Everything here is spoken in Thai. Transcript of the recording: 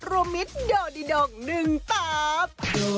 โรมิตโดดิดองหนึ่งตาบ